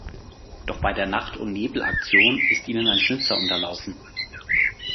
Doch bei der Nacht-und-Nebel-Aktion ist ihnen ein Schnitzer unterlaufen.